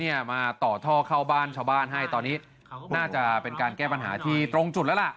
มาต่อท่อเข้าบ้านชาวบ้านให้ตอนนี้น่าจะเป็นการแก้ปัญหาที่ตรงจุดแล้วล่ะ